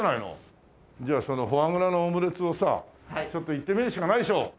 じゃあそのフォアグラのオムレツをさちょっといってみるしかないでしょう！